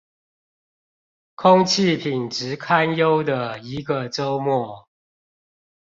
空氣品質堪憂的一個週末